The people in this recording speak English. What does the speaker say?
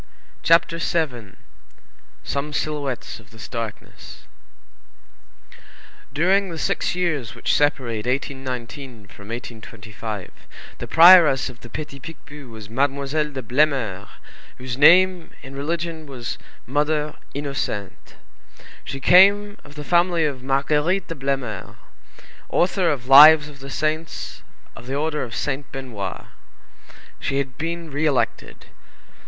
CHAPTER VII—SOME SILHOUETTES OF THIS DARKNESS During the six years which separate 1819 from 1825, the prioress of the Petit Picpus was Mademoiselle de Blemeur, whose name, in religion, was Mother Innocente. She came of the family of Marguerite de Blemeur, author of Lives of the Saints of the Order of Saint Benoît. She had been re elected.